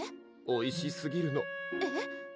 おいしすぎるのえっ？